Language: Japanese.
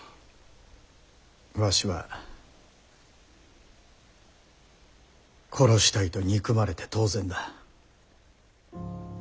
わしは殺したいと憎まれて当然だ。